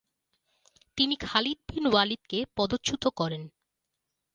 তিনি Khalid bin ওয়ালিদকে পদচ্যুত করেন।